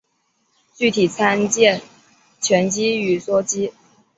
具体参见醛基与羧基。